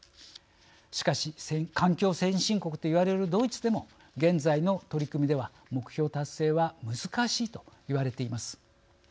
しかし環境先進国と言われるドイツでも現在の取り組みでは目標達成は難しいと言われています。